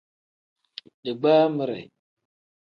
Digbamire.